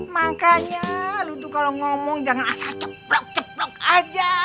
makanya lu tuh kalau ngomong jangan asal ceplok ceplok aja